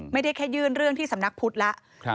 ไม่ได้แค่ยื่นเรื่องที่สำนักพุทธแล้ว